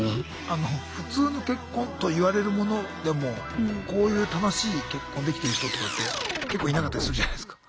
あの普通の結婚といわれるものでもこういう楽しい結婚できてる人とかって結構いなかったりするじゃないすか。